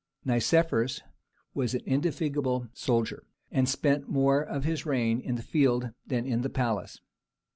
Nicephorus was an indefatigable soldier, and spent more of his reign in the field than in the palace.